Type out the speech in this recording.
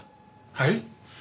はい？